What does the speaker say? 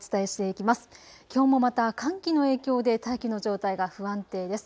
きょうもまた寒気の影響で大気の状態が不安定です。